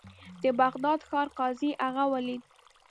د بغداد ښار قاضي هغه ولید.